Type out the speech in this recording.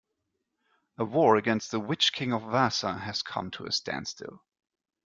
A war against the Witch-King of Vaasa has come to a standstill.